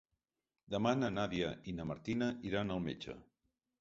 Demà na Nàdia i na Martina iran al metge.